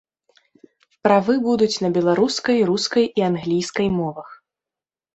Правы будуць на беларускай, рускай і англійскай мовах.